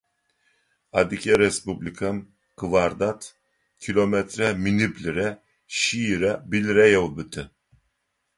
Адыгэ Республикэм квадрат километрэ миныблырэ шъийрэ блырэ еубыты.